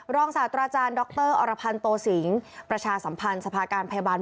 ศาสตราจารย์ดรอรพันธ์โตสิงศ์ประชาสัมพันธ์สภาการพยาบาล